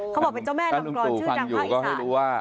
เขาบอกเป็นเจ้าแม่กรอนชื่อดังภาคอิสัยถ้านุ่มตู่ฟังอยู่ก็ให้รู้ว่า